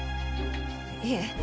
いえ